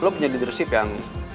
lo menjadi drusif yang